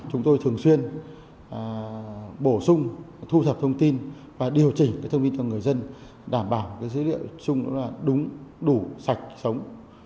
chúng tôi thường xuyên bổ sung thu thập thông tin và điều chỉnh thông tin cho người dân đảm bảo cái dữ liệu chung là đúng đủ sạch sống